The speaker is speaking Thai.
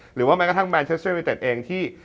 หรือว่าแมนเทสเตอร์เอมิเตศเองที่